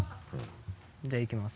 じゃあいきます。